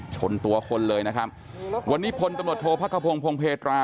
ชนตัวคนเลยนะครับวันนี้พลตำรวจโทษพระขพงศ์พงเพตรา